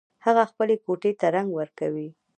هغه خپلې کوټۍ ته رنګ ورکوي